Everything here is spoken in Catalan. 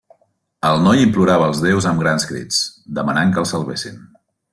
El noi implorava als déus amb grans crits, demanant que el salvessin.